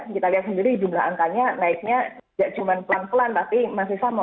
kita lihat sendiri jumlah angkanya naiknya tidak cuma pelan pelan tapi masih sama